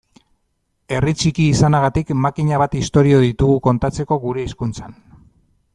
Herri txiki izanagatik makina bat istorio ditugu kontatzeko gure hizkuntzan.